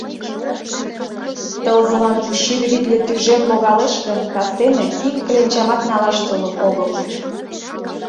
Тылзылан шӱдӧ витле тӱжем логалеш гын, кастене ик кленчамат налаш сулык огыл.